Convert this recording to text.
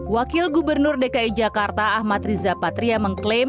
wakil gubernur dki jakarta ahmad riza patria mengklaim